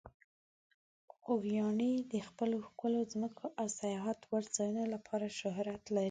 خوږیاڼي د خپلو ښکلو ځمکو او سیاحت وړ ځایونو لپاره شهرت لري.